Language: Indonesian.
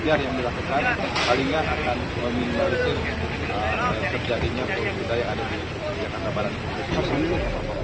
biar yang dilakukan hal ini akan meminimalisir kejadiannya untuk budaya ada di jalan kabar